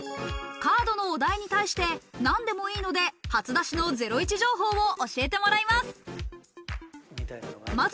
カードのお題に対して何でもいいので、初出しのゼロイチ情報を教えてもらいます。